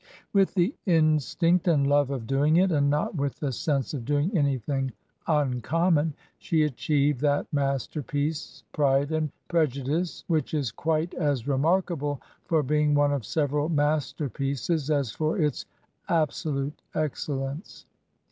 With the instinct and love of doing it, and not with the sense of doing an3rthing uncommon, she achieved that master piece, " Pride and Prejudice,'' which is quite as remark able for being one of several masterpieces as for its ab solute excellence.